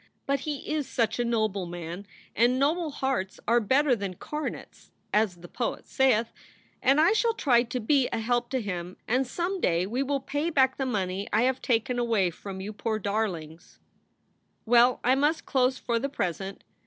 But he is such a noble man and noble hearts are better than cornets as the poet saith, and I shall try to be a help to him and some day we will pay back the money I have taken away from you poor darlings. 9 6 SOULS FOR SALE Well I must close for the present.